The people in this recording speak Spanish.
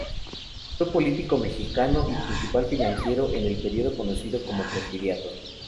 Fue político mexicano y principal financiero en el período conocido como Porfiriato.